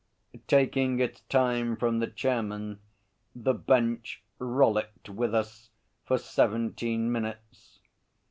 Taking its time from the chairman, the Bench rollicked with us for seventeen minutes.